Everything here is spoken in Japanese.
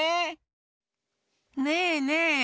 ねえねえ！